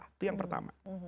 itu yang pertama